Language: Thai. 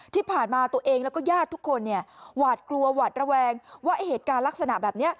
ที่ผ่านมาตัวเองแล้วก็ญาติทุกคนเนี่ยหวาดกลัวหวาดระแวงว่าไอ้เหตุการณ์ลักษณะแบบนี้